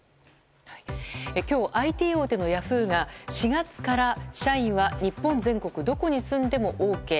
今日、ＩＴ大手のヤフーが４月から社員は日本全国どこに住んでもＯＫ。